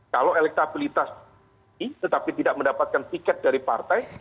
kalau elektabilitas tetapi tidak mendapatkan tiket dari partai